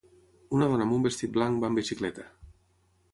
Una dona amb un vestit blanc va en bicicleta.